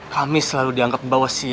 kami selalu dianggap membawa sial